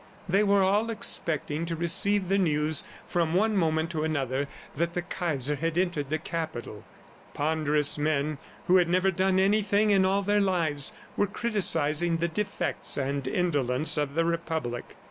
They were all expecting to receive the news from one moment to another, that the Kaiser had entered the Capital. Ponderous men who had never done anything in all their lives, were criticizing the defects and indolence of the Republic.